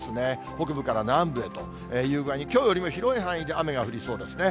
北部から南部へという具合に、きょうよりも広い範囲で雨が降りそうですね。